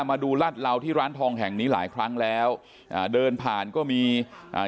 มาดูรัดเหลาที่ร้านทองแห่งนี้หลายครั้งแล้วอ่าเดินผ่านก็มีอ่า